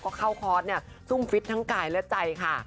ก็เข้าคอร์สสุ่งฟิตทั้งกายและใจค่ะ